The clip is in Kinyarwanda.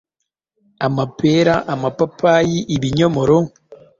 amapera, amapapayi, ibinyomoro,